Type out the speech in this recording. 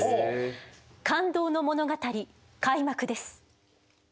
感動の物語開幕です。